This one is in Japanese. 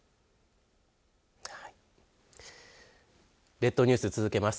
列島ニュース続けます。